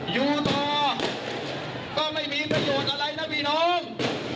อยู่ต่อก็ไม่มีประโยชน์อะไรนะพี่น้อง